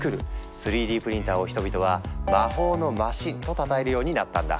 ３Ｄプリンターを人々は「魔法のマシン」とたたえるようになったんだ。